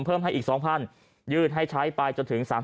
เพิ่มให้อีกส่องพันยื่นให้ใช้ไปจนถึง